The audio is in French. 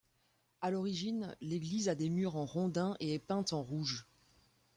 À l'origine, l'église a des murs en rondins et est peinte en rouge.